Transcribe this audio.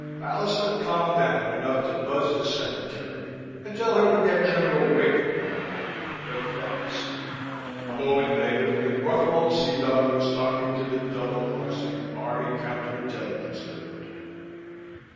Ballister calmed down enough to buzz his secretary and tell her to get General Wakely on the line, but fast. A moment later the gruff old sea dog was talking to the double crossing Army Counter Intelligence Director.